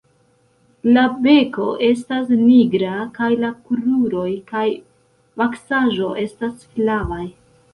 La beko estas nigra kaj la kruroj kaj vaksaĵo estas flavaj.